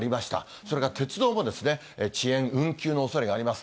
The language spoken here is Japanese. それから鉄道も、遅延、運休のおそれがあります。